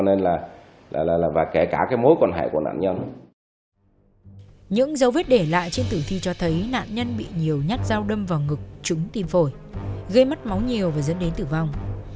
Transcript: đã lập tức thông báo vừa trước ông lập đã đưa ra một thông tin về nạn nhân bị nhiều nhát dao đâm vào ngực trúng tim phổi gây mất máu nhiều và dẫn đến tử vong